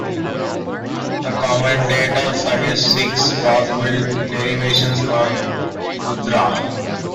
The commentator suggests six possible derivations for "rudra".